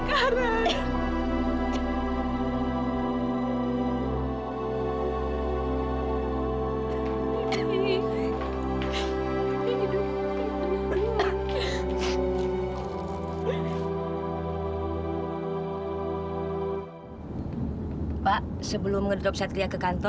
kalau nampak sama ibu